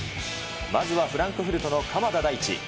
まずはフランクフルトの鎌田大地。